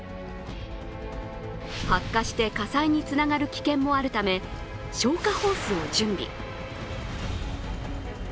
発火して火災につながる危険もあるため消火ホースを準備。